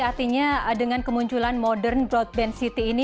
artinya dengan kemunculan modern broadband city ini